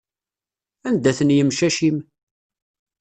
Anda-ten yimcac-im?